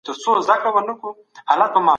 قحطي د بي وزلۍ اصلي لامل دی.